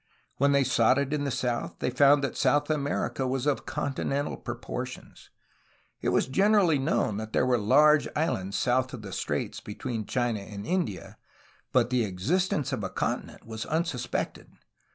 When they sought it in the south they found that South America was of continental proportions. It was generally known that there were large islands south of the straits between China and India, but the existence of a continent was un suspected.